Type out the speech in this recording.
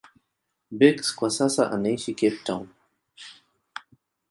Beukes kwa sasa anaishi Cape Town.